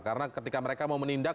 karena ketika mereka mau menindak